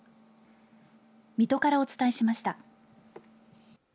水戸からお伝えしました。